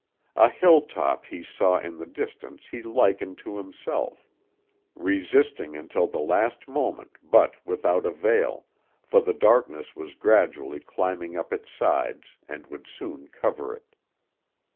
A hill top he saw in the distance he likened to himself; resisting until the last moment, but without avail, for the darkness was gradually climbing up its sides, and would soon cover it.